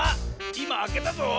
いまあけたぞ！